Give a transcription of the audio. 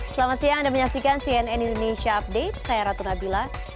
selamat siang anda menyaksikan cnn indonesia update saya ratu nabila